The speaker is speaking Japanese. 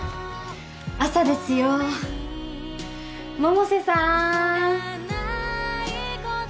朝ですよ百瀬さん